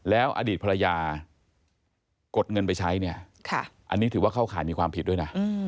แล้วอดีตภรรยากดเงินไปใช้เนี่ยอันนี้ถือว่าเข้าข่ายมีความผิดด้วยนะ